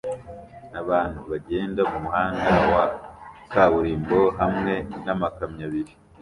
Abantu bagenda mumuhanda wa kaburimbo hamwe namakamyo abiri